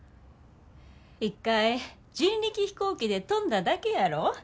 一回人力飛行機で飛んだだけやろ。